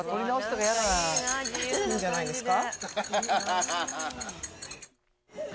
いいんじゃないですか。